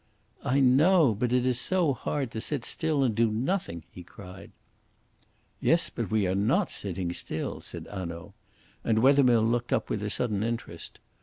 "I know. But it is so hard to sit still and do nothing," he cried. "Yes, but we are not sitting still," said Hanaud; and Wethermill looked up with a sudden interest.